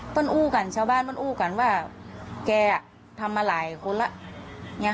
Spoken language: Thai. ต้นอู้กันชาวบ้านต้นอู้กันว่าแกอ่ะทำมาหลายคนละเนี่ยค่ะ